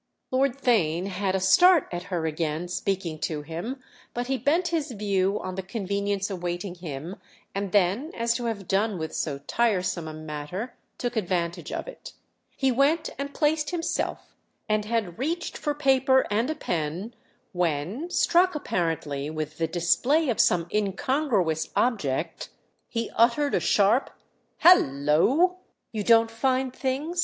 Lord Theign had a start at her again speaking to him; but he bent his view on the convenience awaiting him and then, as to have done with so tiresome a matter, took advantage of it. He went and placed himself, and had reached for paper and a pen when, struck apparently with the display of some incongruous object, he uttered a sharp "Hallo!" "You don't find things?"